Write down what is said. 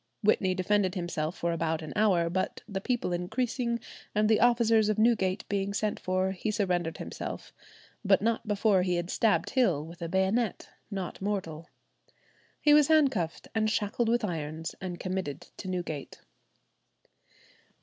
Whitney defended himself for about an hour, but the people increasing, and the officers of Newgate being sent for, he surrendered himself, but not before he had stabbed Hill with a bayonet, "not mortal." He was handcuffed and shackled with irons, and committed to Newgate.